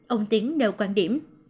ông tiến nêu quan điểm